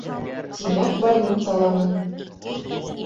Тимәк, больницаламын.